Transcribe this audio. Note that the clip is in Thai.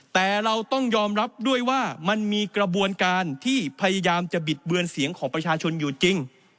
แต่เราต้องยอมรับด้วยว่ามันมีกระบวนการที่พยายามจะบิดเบือนเสียงของประชาชนอยู่จริง